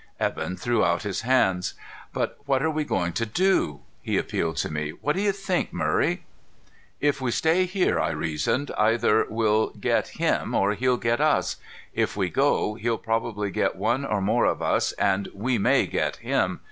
Evan threw out his hands. "But what are we going to do?" He appealed to me. "What do you think, Murray?" "If we stay here," I reasoned, "either we'll get him or he'll get us. If we go, he'll probably get one or more of us and we may get him.